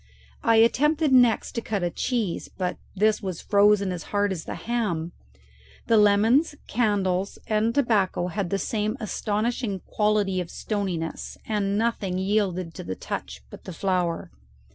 I attempted next to cut a cheese, but this was frozen as hard as the ham. The lemons, candles, and tobacco had the same astonishing quality of stoniness, and nothing yielded to the touch but the flour.